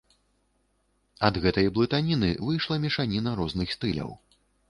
Ад гэтай блытаніны выйшла мешаніна розных стыляў.